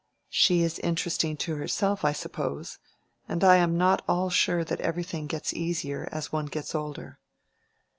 "She is interesting to herself, I suppose; and I am not at all sure that everything gets easier as one gets older."